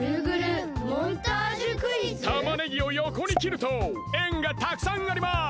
たまねぎをよこにきるとえんがたくさんあります！